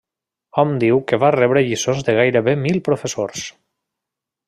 Hom diu que va rebre lliçons de gairebé mil professors.